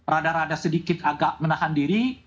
rada rada sedikit agak menahan diri